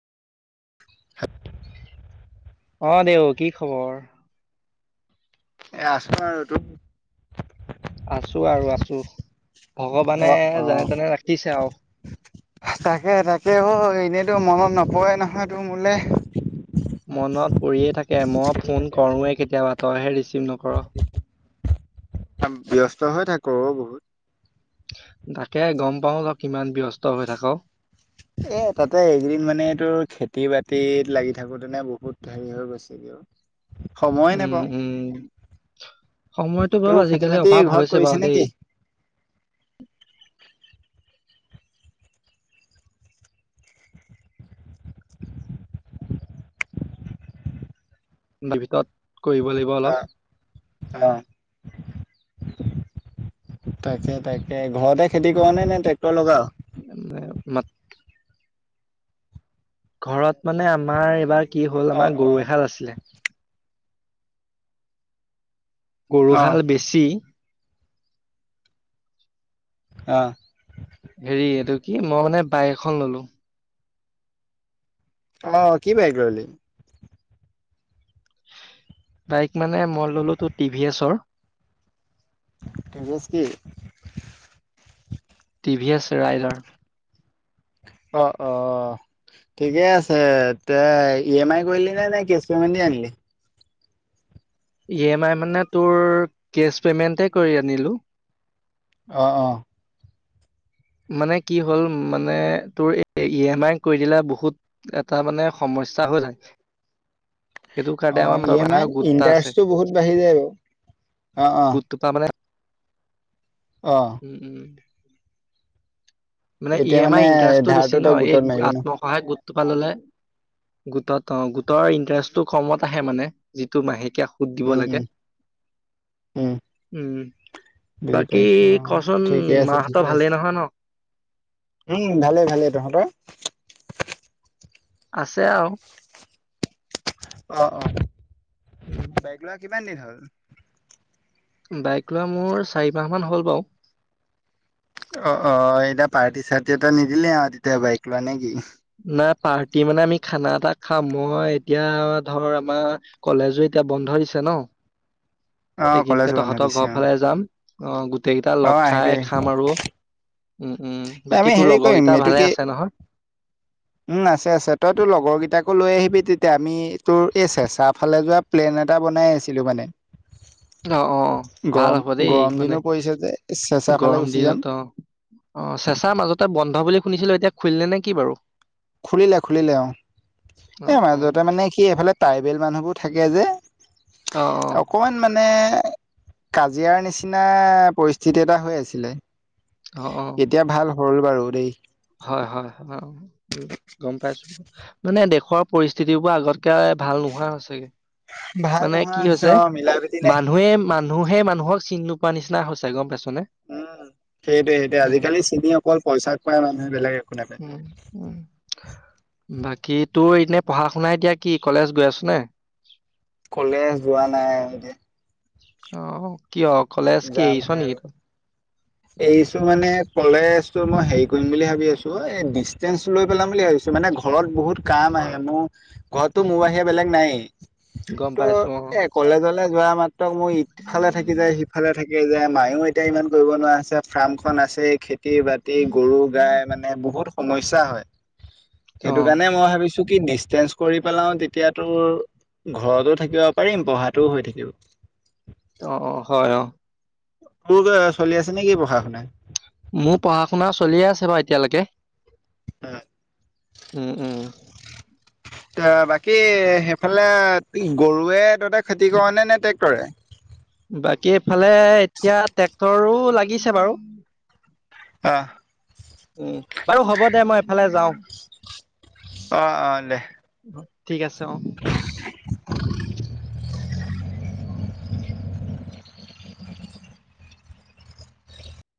অ দেউ কি খবৰ এ আছো আৰু তোৰ আছো আৰু আছো ভগৱানে অ', যেনে অ', তেনে ৰাখিছে আৰু তাকে তাকে অ এনেইতো মনত নপৰেই নহয় তোৰ মোলে মনত পৰিয়েই থাকে মই ফোন কৰোঁৱে কেতিয়াবা তইহে ৰিচিভ নকৰ ব্যস্ত হৈ থাকো বহুত তাকে গম পাও অ কিমান ব্যস্ত হৈ থাক এ তাতে এইকেইদিন মানে তোৰ খেতি বাতি খেতিত লাগি থাকোতে নে বহুত হেৰি হৈ গৈছিলোঁ আৰু সময়ে উম নেপাওঁ উম সময়তো বাৰু তোৰ খেতি আজিকালি বাতি অভাৱ ঘৰত হৈছে বাৰু কৰিছে দেই নেকি ত ভিতৰত কৰিব লাগিব অলপ অ', অ', তাকে তাকে ঘৰতে খেতি অ কৰনে নে ট্ৰেক্টৰ মানে লগাও মাত- ঘৰত মানে আমাৰ এইবাৰ কি হ'ল অ', আমাৰ গৰু অ', এহাল আছিলে গৰু অ', হাল বেছি আহ হেৰি এইটো কি মই মানে বাইক এখন ললো অ কি বাইক ললি বাইক মানে মই ল'লোঁ তো টিভিএছৰ টিভিএছ কি টিভিএছ ৰাইদাৰ অ অ ঠিকে আছে ত ই এম আই কৰিলেনে না কেচ প্ৰেমেন দি আনিলি ই এম আই মানে তোৰ কেচ পেমেণ্টে কৰি আনিলোঁ অহ অ মানে কি হ'ল মানে তোৰ ই এম আই কৰি দিলে বহুত এটা মানে সময় সমস্যা হৈ থাকে। এইটো অ কাৰণে আমাৰ ই এম আইত সহায়ক গোট এটা আছে। ইণ্টাৰেষ্টটো বহুত বাঢ়ি যায় বাৰু অ অ গোটটো তাৰ মানে অ উম উম। মানে ই এতিয়া এম আইৰ ইণ্টাৰেষ্টটো ধাৰটো বেছি তই নহ, এই গোটত মাৰিবি ন আত্মসহায়ক গোট তাৰ পৰা ললে গোটত অ গোটৰ ইণ্টাৰেষ্টটো কমত আহে মানে যিটো মাহেকীয়া সুত দিব উম লাগে। উম উম উম। বুজি বাকী পাইছো অ কচোন ঠিকে আছে ঠিকে মাহতেটো ভালেই আছে ন? উম ভালে ভালে। তহঁতৰ? আছে আৰু। অ অ বাইক উম লোৱা কিমান দিন হ'ল? বাইক লোৱা মোৰ চাৰি মাহ মান হ'ল বাৰু। অ অ এতিয়া পাৰ্টি-চাৰ্টি এটা নিদিলে আৰু তেতিয়া বাইক লোৱা নে কি? নাই পাৰ্টি মানে আমি খানা এটা খাম। মই এতিয়া ধৰ আমাৰ কলেজ উইক এতিয়া বন্ধ দিছে ন। অ কলেজ এইখিনিতে বন্ধ তহঁতৰ দিছে ঘৰৰ অ ফালে যাম, অহ গোটেই কেইটা অ লগ আহিবি খাই খাম আৰু। উম উম বাকী আমি তোৰ হেৰি কৰিম লগৰকেইটা এইটো ভালে কি আছে নহয়? উম আছে আছে। তই তোৰ লগৰ কেইটাকো লৈ আহিবি তেতিয়া আমি তোৰ এই চেচা ফালে যোৱা প্লেন এটা বনাই আছিলো মানে। অ অ ভাল গৰম হ'ব দেই গৰম মানে দিনো পৰিছে যে চেঁচা ফালে গৰম গুচি যাম দিনত অ, অ চেঁচা মাজতে বন্ধ বুলি শুনিছিলো এতিয়া খুলিলে নেকি বাৰু? খুলিলে খুলিলে অ, অ এ অ মাজতে মানে কি এইফালে ট্ৰাইবেল মানুহবোৰ থাকে যে, অ অকমান মান মানে কাজিয়াৰ নিচিনা পৰিস্থিতি এটা হৈ আছিলে। অ অ। এতিয়া ভাল হ'ল বাৰু দেই। হয় হয় হয়। উম গম পাইছো। মানে দেশৰ পৰিস্থিতিবোৰ আগতকে ভাল নোহোৱা হৈছেগে। ভাল মানে নোহোৱা কি হৈছে, অ মিলা প্ৰীতি নাই মানুহে মান মানুহে মানুহক চিনি নোপোৱা নিচনা হৈছে, গম পাইছো উম সেইটোৱে সেইটোৱে আজিকালি চিনি অকল পইচা প মানুহে বেলেগ একো নাপায়। উম, উম। বাকী তোৰ এনে পঢ়া শুনাাই এতিয়া কি কলেজ গৈ আছো নে? কলে যোৱা নাই। অ। কিয় কলেজ কি এৰিছ যামহে নেকি আৰু, তই? এৰিচো মানে কলেজ তো মই হেৰি কৰিম বুলি ভাবি আছো, এ ডিচেন্ঞ্চ লৈ পেলাম বুলি ভাবিছো মানে ঘৰত বহুত কাম মোৰ ঘৰতো মোৰ বাহিৰে বেলেগ নাই। গম ত পাইছো অ', এ কলেজলে যোৱা মাত্ৰ মই ইফালে থাকি যায় সি থাকে যায়। মায়ও এতিয়া ইমান কৰিব নোৱাৰা হৈছে, ফাৰ্মখনন আছে, খেতি খেতি-বাতি, গৰু-গাই মানে বহুত সমস্যা হয়। সেইটো অ', কাৰণে মই ভাবিছো চ কি ডিচেঞ্চ কৰি পেলাও তেতিয়াতো ঘৰতো থাকিব পাৰিম, পঢ়াটোও হৈ থাকিব। অ হয় অ। তোৰ চলি আছে নেকি পঢ়া শুনা? মোৰ পঢ়া শুনা চলিয়ে আছে বাৰু এতিয়ালৈকে। উম। উম, উম। এ বাকী সেইফালে গৰুৱে তহতে খেতি কৰা নে ট্ৰেক্টৰে? বাকী এইফালে এতিয়া ট্ৰেক্টৰো লাগিছে বাৰু। অ' উম বাৰু হ'ব দে মই এফালে যাওঁ। অ' অলে। ঠিক আছে অ'।